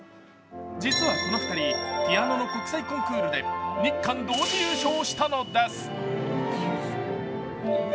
実はこの２人、ピアノの国際コンクールで日韓同時優勝したのです。